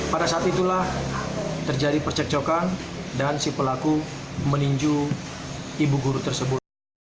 pada saat itulah terjadi percekcokan dan si pelaku meninjau ibu guru tersebut